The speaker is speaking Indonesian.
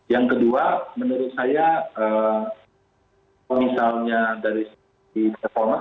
yang kedua menurut saya kalau misalnya dari sisi performance